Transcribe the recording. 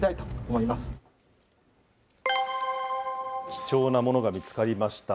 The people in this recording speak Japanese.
貴重なものが見つかりました。